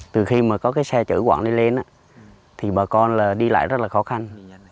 từ khi mà có cái xe chở quặng đi lên thì bà con là đi lại rất là khó khăn